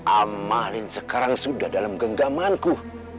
amalin sekarang sudah dalam genggamanku